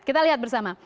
kita lihat bersama